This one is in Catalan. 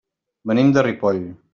Venim de Ripoll.